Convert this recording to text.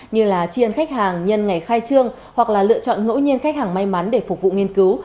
như là chiên khách hàng nhân ngày khai trương hoặc là lựa chọn ngẫu nhiên khách hàng may mắn để phục vụ nghiên cứu